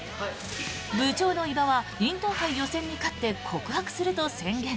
部長の伊庭はインターハイ予選に勝って告白すると宣言。